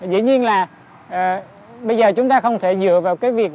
dĩ nhiên là bây giờ chúng ta không thể dựa vào cái việc